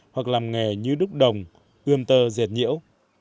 hoặc làm nghề như đúc đồng ươm tơ dệt nhiễu